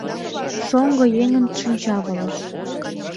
Шоҥго еҥын шинчавылыш